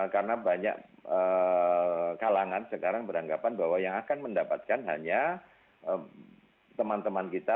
karena banyak kalangan sekarang beranggapan bahwa yang akan mendapatkan hanya teman teman kita